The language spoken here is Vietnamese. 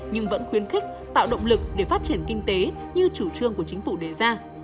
nhưng vẫn khuyến khích tạo động lực để phát triển kinh tế như chủ trương của chính phủ đề ra